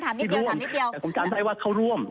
เขาจำไม่ได้จริงที่ร่วมแต่ผมจำได้ว่าเข้าร่วม